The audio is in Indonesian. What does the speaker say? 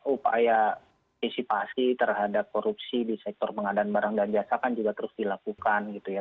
upaya tisipasi terhadap korupsi di sektor pengadaan barang dan jasa kan juga terus dilakukan gitu ya